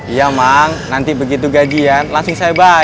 iya mang nanti begitu gajian langsung saya baca